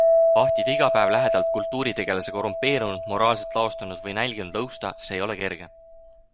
Vahtida iga päev lähedalt kultuuritegelase korrumpeerunud, moraalselt laostunud või nälginud lõusta, see ei ole kerge.